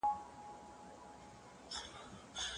فاسټ فوډ مه خورئ.